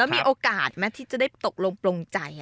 แล้วมีโอกาสมั้ยที่จะได้ตกลงใจ